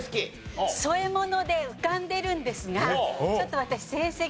添え物で浮かんでるんですがちょっと私。